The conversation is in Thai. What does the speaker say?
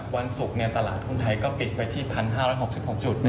วันศุกร์เนี่ยตลาดของไทยก็ปิดไปที่๑๕๖๖จุดนะครับ